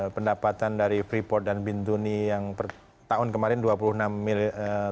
pendapatan dari freeport dan bintuni yang tahun kemarin dua puluh enam miliar